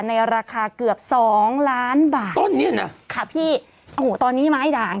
ในราคาเกือบสองล้านบาทต้นเนี้ยนะค่ะพี่โอ้โหตอนนี้ไม้ด่าง